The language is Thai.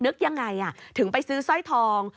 นึกยังไงถึงไปซื้อสร้อยทอง